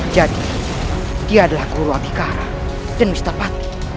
jadi dia adalah guru abhikara dan mr pati